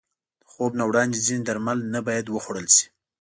د خوب نه وړاندې ځینې درمل نه باید وخوړل شي.